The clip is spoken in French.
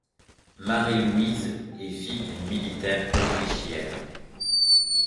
Marie-Louise est fille d’un militaire autrichien.